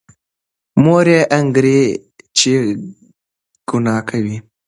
مور یې انګېري چې ګناه کوي.